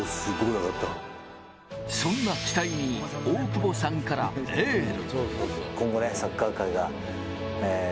そんな北井に大久保さんからエール。